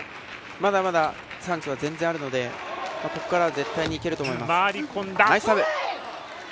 まだまだチャンスは全然あるのでここから絶対にいけると思います。